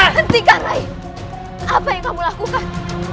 hentikan lain apa yang kamu lakukan